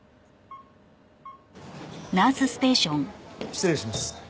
失礼します。